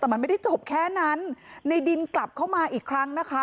แต่มันไม่ได้จบแค่นั้นในดินกลับเข้ามาอีกครั้งนะคะ